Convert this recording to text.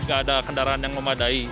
nggak ada kendaraan yang memadai